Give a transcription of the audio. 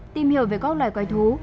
tìm hiểu về các loài quái thú